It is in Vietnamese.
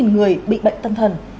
bốn người bị bệnh tâm thần